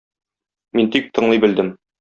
Мин тик тыңлый белдем.